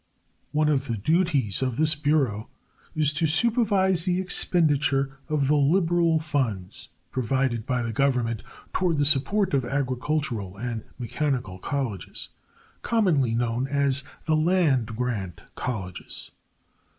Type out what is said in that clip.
One of the duties of this Bureau is to supervise the expenditure of the liberal funds provided by the Government toward the support of agricultural and mechanical colleges, commonly known as the "land grant colleges."